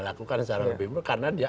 lakukan secara lebih murah karena dia